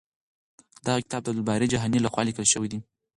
دغه کتاب د عبدالباري جهاني لخوا لیکل شوی دی.